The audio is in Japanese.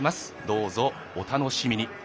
どうぞお楽しみに。